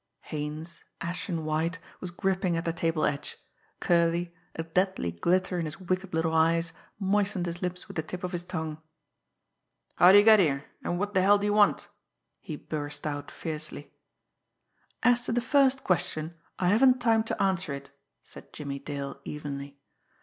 Haines, ashen white, was gripping at the table edge. Curley, a deadly glitter in his wicked little eyes, moistened his lips with the tip of his tongue. "How'd you get here, and what the hell d'you want?" he burst out fiercely. "As to the first question, I haven't time to answer it," said Jimmie Dale evenly.